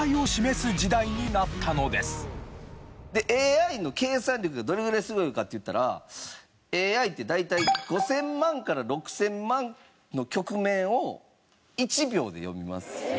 ＡＩの計算力がどれぐらいすごいかっていったらＡＩって大体５０００万から６０００万の局面を１秒で読みます。